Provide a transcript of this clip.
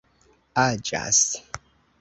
aĝas